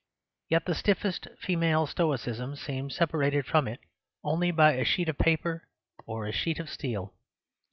Yet the stiffest female stoicism seems separated from it only by a sheet of paper or a sheet of steel.